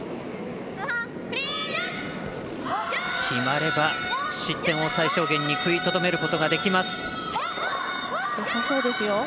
決まれば失点を最小限に食いとどめることができます。